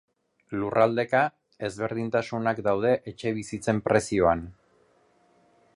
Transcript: Lurraldeka, ezberdintasunak daude etxebizitzen prezioan.